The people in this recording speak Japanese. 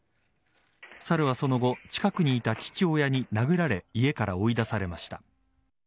サルはその後近くにいた父親に殴られ家から追い出されました。